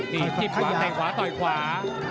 มีจิบขวาเตะขวาต่อยขวา